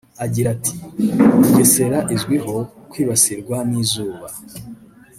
Agira ati "Bugesera izwiho kwibasirwa n’izuba